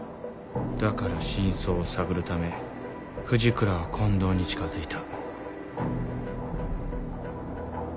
だから真相を探るため藤倉は近藤に近づいた。